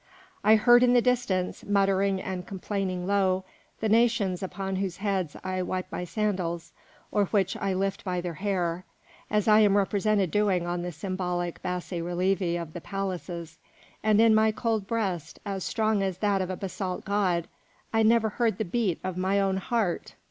I heard in the distance, muttering and complaining low, the nations upon whose heads I wipe my sandals or which I lift by their hair, as I am represented doing on the symbolical bassi relievi of the palaces, and in my cold breast, as strong as that of a basalt god, I never heard the beat of my own heart.